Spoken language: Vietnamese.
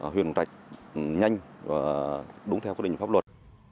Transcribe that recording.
huyện quảng trạch nhanh và đúng theo quy định pháp luật